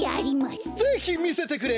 ぜひみせてくれ！